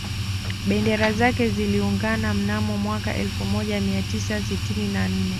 Bendera zake ziliungana mnamo mwaka elfu moja mia tisa sitini na nne